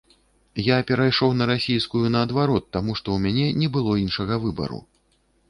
Я перайшоў на расійскую, наадварот, таму, што ў мяне не было іншага выбару.